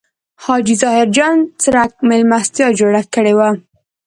حاجي ظاهر جان څرک مېلمستیا جوړه کړې وه.